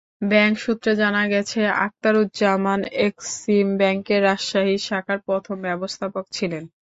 Bank সূত্রে জানা গেছে, আক্তারুজ্জামান এক্সিম ব্যাংকের রাজশাহী শাখার প্রথম ব্যবস্থাপক ছিলেন।